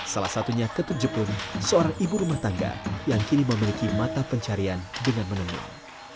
salah satunya ketut jepun seorang ibu rumah tangga yang kini memiliki mata pencarian dengan menunyum